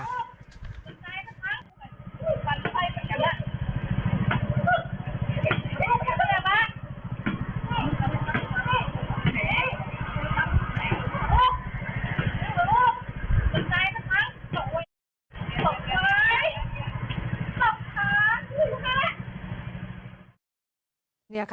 นุ่มจำไจกันค่ะ